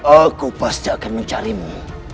aku pasti akan mencarimu